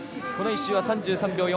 この１周は３３秒４５